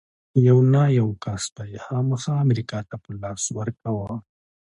يو نه يو کس به يې خامخا امريکايانو ته په لاس ورکاوه.